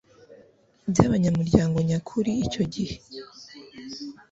byabanyamuryango nyakuri Icyo gihe